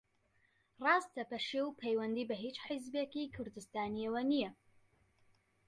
ڕاستە پەشێو پەیوەندی بە ھیچ حیزبێکی کوردستانییەوە نییە